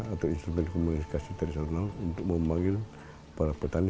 atau instrumen komunikasi tradisional untuk memanggil para petani